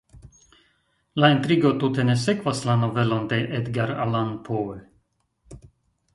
La intrigo tute ne sekvas la novelon de Edgar Allan Poe.